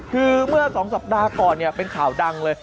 คือเมื่อ๒สัปดาห์ก่อนเป็นข่าวดังเลย